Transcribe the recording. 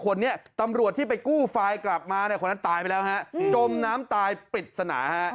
คนนี้ตำรวจที่ไปกู้ไฟล์กลับมาคนนั้นตายไปแล้วจมน้ำตายปิดสนา